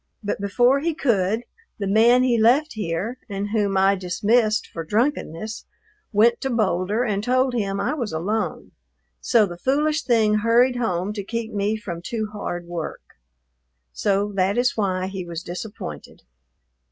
But before he could, the man he left here, and whom I dismissed for drunkenness, went to Boulder and told him I was alone, so the foolish thing hurried home to keep me from too hard work. So that is why he was disappointed.